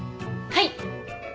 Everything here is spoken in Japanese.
はい！